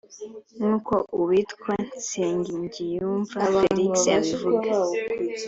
nk’uko uwitwa Nsengiyumva Felix abivuga